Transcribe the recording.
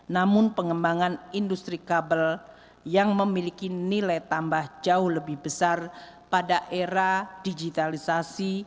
namun pengembangan industri kabel yang memiliki nilai tambah jauh lebih besar pada era digitalisasi